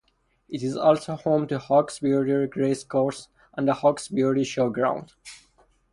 It is also home to Hawkesbury Racecourse and the Hawkesbury Show Ground.